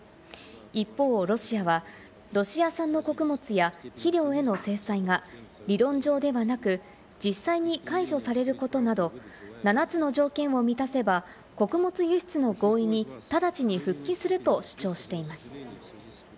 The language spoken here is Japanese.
一方ロシアはロシア産の穀物や肥料への制裁が理論上ではなく、実際に解除されることなど、７つの条件を満たせば穀物輸出の合意に直ちに復帰すると主張しています。